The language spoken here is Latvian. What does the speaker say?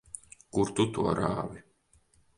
Kur tu to rāvi?